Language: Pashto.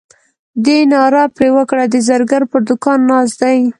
دې ناره پر وکړه د زرګر پر دوکان ناست دی.